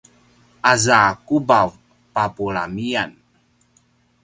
aza kubav papulamian